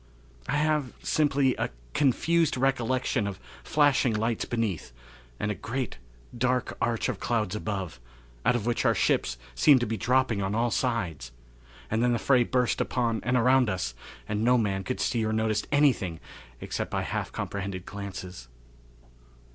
I have simply a confused recollection of flashing lights beneath, and a great, dark arch of clouds above, out of which our ships seemed dropping on all sides, and then the fray burst upon and around us, and no man could see or notice anything except by half comprehended glances.